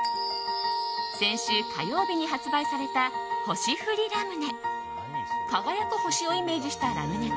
先週火曜日に発売されたホシフリラムネ。